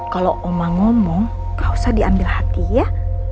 kalau oma ngomong gak usah diambil hati ya